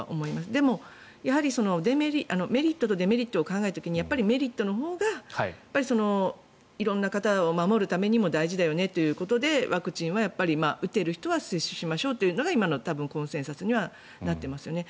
でも、やはりメリットとデメリットを考えた時メリットのほうが色んな方を守るためにも大事だよねということでワクチンは打てる人は接種しましょうというのが今のコンセンサスにはなってますよね。